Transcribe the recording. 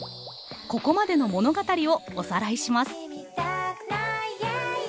ここまでの物語をおさらいします。